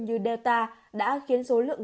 như delta đã khiến số lượng